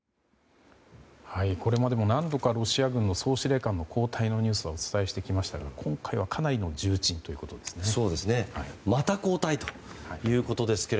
これまでも何度かロシア軍の総司令官の交代のニュースをお伝えしてきましたが今回はかなりの重鎮ということですね。